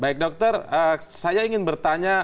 baik dokter saya ingin bertanya